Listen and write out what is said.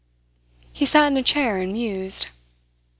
He sat in a chair and mused.